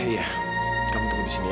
iya kamu tunggu di sini ya